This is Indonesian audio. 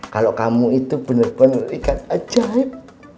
kalau kamu itu bener bener ikat ajaib